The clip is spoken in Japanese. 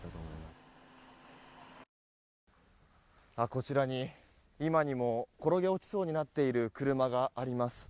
こちらに今にも転げ落ちそうになっている車があります。